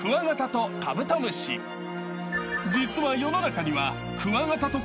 ［実は世の中には］